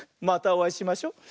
またおあいしましょ。